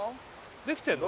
できてんの？